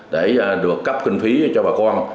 để được cấp kinh phí cho bà con